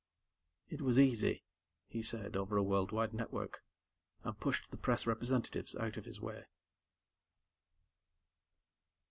"It was easy," he said over a world wide network, and pushed the press representatives out of his way.